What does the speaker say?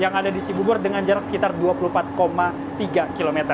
yang ada di cibubur dengan jarak sekitar dua puluh empat tiga km